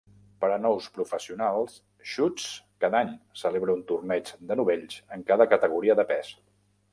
Per a nous professionals, Shoots cada any, celebra un torneig de novells en cada categoria de pes.